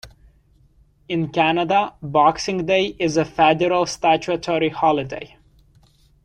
In Canada, Boxing Day is a federal statutory holiday.